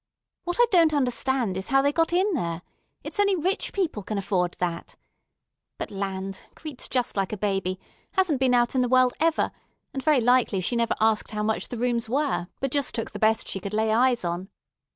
What I don't understand is how they got in there. It's only rich people can afford that. But, land! Crete's just like a baby; hasn't been out in the world ever; and very likely she never asked how much the rooms were, but just took the best she could lay eyes on.